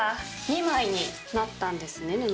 ２枚になったんですね